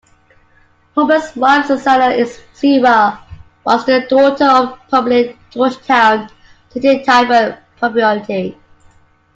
Hoban's wife Susanna Sewall was the daughter of the prominent Georgetown "City Tavern" proprietor.